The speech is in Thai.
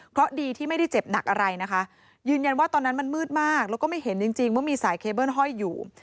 เพราะดีที่ไม่ได้เจ็บหนักอะไรนะคะยืนยันว่าตอนนั้นมันมืดมากแล้วก็ไม่เห็นจริงว่ามีสายเคเบิ้ลห้อยอยู่